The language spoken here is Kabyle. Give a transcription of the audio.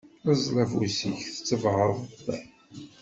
Ẓẓel afus-ik, tettebɛeḍ-t.